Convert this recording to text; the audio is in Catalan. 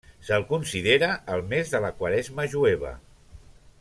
Se'l considera el mes de la quaresma jueva.